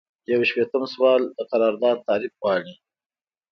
یو شپیتم سوال د قرارداد تعریف غواړي.